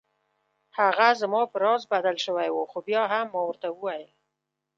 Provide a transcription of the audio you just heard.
هغه زما په راز بدل شوی و خو بیا هم ما ورته وویل.